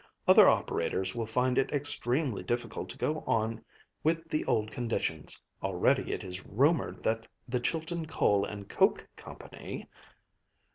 Other operators will find it extremely difficult to go on with the old conditions. Already it is rumored that the Chilton Coal and Coke Company